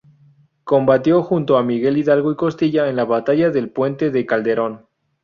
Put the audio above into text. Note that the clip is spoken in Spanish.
Combatió junto a Miguel Hidalgo y Costilla en la Batalla del Puente de Calderón.